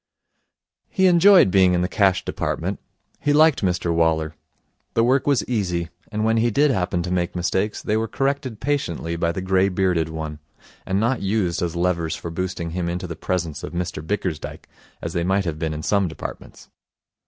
He enjoyed being in the Cash Department. He liked Mr Waller. The work was easy; and when he did happen to make mistakes, they were corrected patiently by the grey bearded one, and not used as levers for boosting him into the presence of Mr Bickersdyke, as they might have been in some departments.